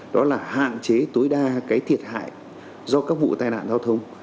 đó là hạn chế tối đa cái thiệt hại do các vụ tai nạn giao thông